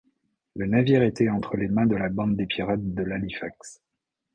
Le navire était entre les mains de la bande des pirates de l’Halifax.